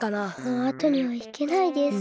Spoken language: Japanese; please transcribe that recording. もうあとにはひけないです。